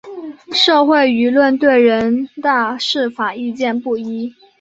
社会舆论对人大释法意见不一。